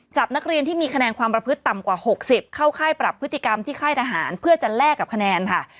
นักเรียนที่มีคะแนนความประพฤติต่ำกว่า๖๐เข้าค่ายปรับพฤติกรรมที่ค่ายทหารเพื่อจะแลกกับคะแนนค่ะ